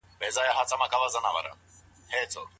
د ميرمني د متعې لګښتونه څوک ورکوي؟